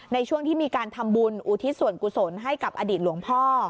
ในช่วงที่มีการทำบุญอุทิศส่วนกุศลให้กับอดีตหลวงพ่อ